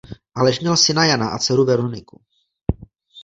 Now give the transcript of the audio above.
Aleš měl syna Jana a dceru Veroniku.